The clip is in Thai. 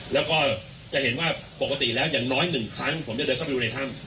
แล้วก็จะเห็นว่าปกติแล้วอย่างน้อย๑ครั้งผมจะเดินเข้าไปดูในถ้ำ